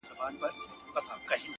څنگه بيلتون كي گراني شعر وليكم!!